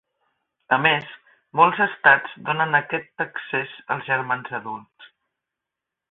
A més, molts estats donen aquest accés als germans adults.